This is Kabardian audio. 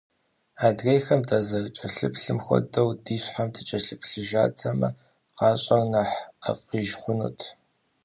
Адрейхэм дазэрыкӀэлъыплъым хуэдэу ди щхьэм дыкӀэлъыплъыжатэмэ, гъащӀэр нэхъ ӀэфӀыж хъунут.